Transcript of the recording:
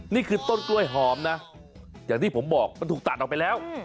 นี่คือต้นกล้วยหอมนะอย่างที่ผมบอกมันถูกตัดออกไปแล้ว